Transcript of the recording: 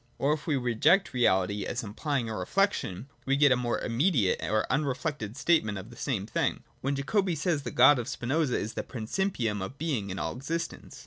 Or, if we reject reality, as implying a reflection, we get a more immediate or unreflected statement of the same thing, when Jacobi says that the God of Spinoza is the principium of being in all existence.